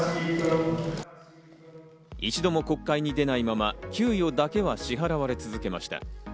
一度も国会に出ないまま給与だけは支払われ続けました。